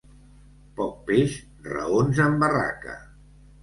Poc peix, raons en barraca.